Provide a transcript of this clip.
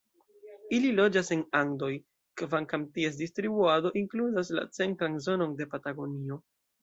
Ili loĝas en Andoj, kvankam ties distribuado inkludas la centran zonon de Patagonio.